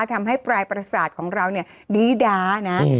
ทำให้ปลายปรสาทของเราเนี่ยดีดานะอืม